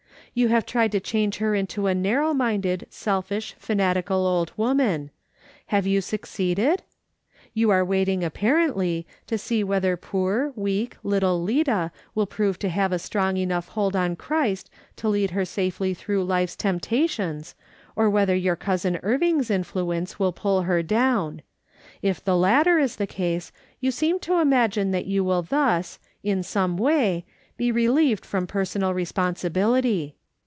You have tried to change her into a narrow minded, selfish, fanatical old woman. Have you succeeded ? You are waiting, apparently, to see whether poor, weak, little Lida will prove to have a strong enough hold on Christ to lead her safely through life's temptations, or whether your cousin Irving's influence will pull her down ; if the latter is the case, you seem to imagine that you will thus, in some way, be relieved from personal responsibility.